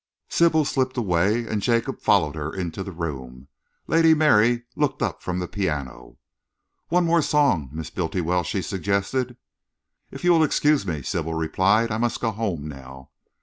Sybil slipped away and Jacob followed her into the room. Lady Mary looked up from the piano. "One more song, Miss Bultiwell?" she suggested. "If you will excuse me," Sybil replied, "I must go home now."